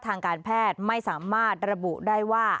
ทางการแพทย์ไม่สามารถระบุได้ว่า